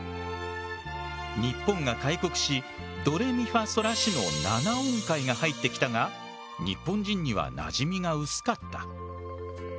日本が開国しドレミファソラシの７音階が入ってきたが日本人にはなじみが薄かった。